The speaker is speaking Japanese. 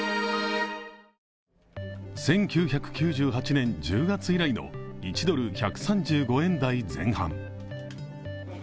１９９８年１０月以来の１ドル＝１３５台前半。